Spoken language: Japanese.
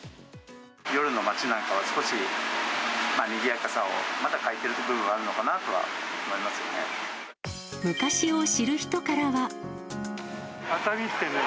夜の街なんかは少し、にぎやかさをまだ欠いている部分はあるのかなとは思いますよね。